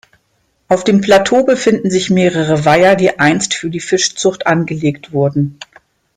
Auf dem Plateau befinden sich mehrere Weiher, die einst für die Fischzucht angelegt wurden.